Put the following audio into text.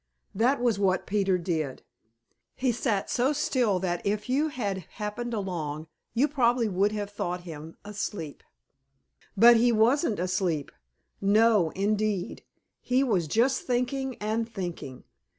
That was what Peter did. He sat so still that if you had happened along, you probably would have thought him asleep. But he wasn't asleep. No, indeed! He was just thinking and thinking.